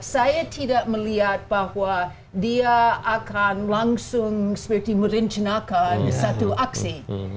saya tidak melihat bahwa dia akan langsung seperti merencanakan satu aksi